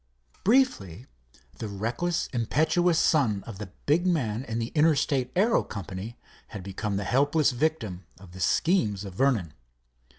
Briefly, the reckless, impetuous son of the big man in the Interstate Aero Company had become the helpless victim of the schemes of Vernon.